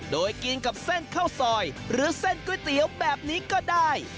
โดยกินกับเส้นข้าวซอยหรือเส้นก๋วยเตี๋ยวแบบนี้ก็ได้